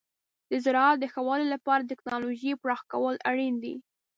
د زراعت د ښه والي لپاره د تکنالوژۍ پراخ کارول اړین دي.